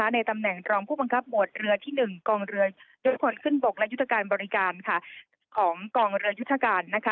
ในตำแหน่งรองผู้บังคับหมวดเรือที่๑กองเรือยพลขึ้นบกและยุทธการบริการของกองเรือยุทธการ